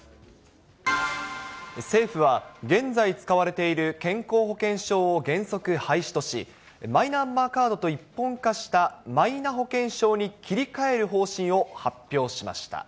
政府は、現在使われている健康保険証を原則廃止とし、マイナンバーカードと一本化したマイナ保険証に切り替える方針を発表しました。